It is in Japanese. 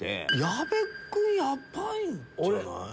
矢部君ヤバいんじゃない？